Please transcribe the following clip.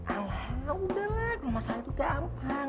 ah udah lah masalah itu gampang